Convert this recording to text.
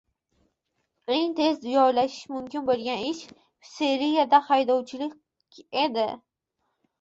Eng tez joylashish mumkin boʻlgan ish — pitseriyada haydovchilik edi.